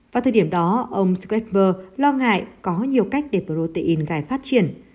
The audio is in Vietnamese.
vào thời điểm đó ông stresser lo ngại có nhiều cách để protein gai phát triển